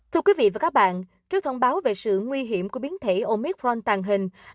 thưa quý vị và các bạn trước thông báo về sự nguy hiểm của biến thể omicron tàn hình